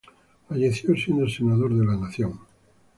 Falleció siendo Senador de la Nación.